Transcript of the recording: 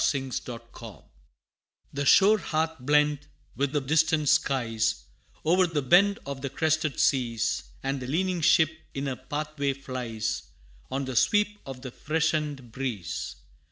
[Illustration: Burial at Sea] The shore hath blent with the distant skies, O'er the bend of the crested seas, And the leaning ship in her pathway flies, On the sweep of the freshened breeze.